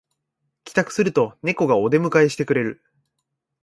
帰宅するとネコがお出迎えしてくれる